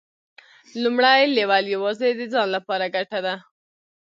لومړی لیول یوازې د ځان لپاره ګټه ده.